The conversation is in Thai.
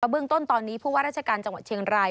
กระเบื้องต้นตอนนี้ราชการจังหวัดเชียงราย